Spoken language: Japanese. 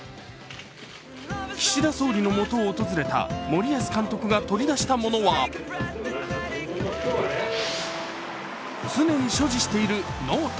岸田総理の元を訪れた森保監督が取り出したものは常に所持しているノート。